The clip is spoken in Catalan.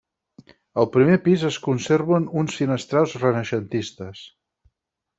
Al primer pis es conserven uns finestrals renaixentistes.